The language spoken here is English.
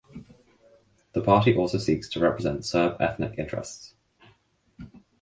The party also seeks to represent Serb ethnic interests.